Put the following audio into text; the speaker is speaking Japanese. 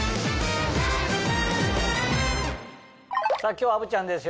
今日は虻ちゃんです